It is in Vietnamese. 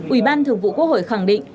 ủy ban thường vụ quốc hội khẳng định